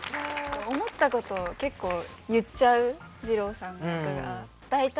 思ったことを結構言っちゃうじろうさんの役が。